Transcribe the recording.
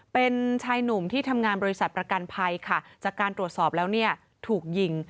เป็นชายหนุ่มที่ทำงานบริษัทประกันภัยค่ะจากการตรวจสอบแล้วเนี่ยถูกยิง